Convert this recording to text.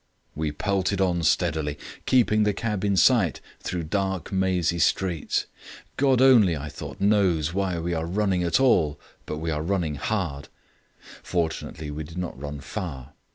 We pelted on steadily, keeping the cab in sight, through dark mazy streets. God only, I thought, knows why we are running at all, but we are running hard. Fortunately we did not run far.